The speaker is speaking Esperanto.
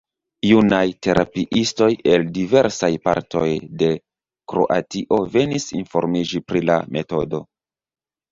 Junaj terapiistoj el diversaj partoj de Kroatio venis informiĝi pri la metodo.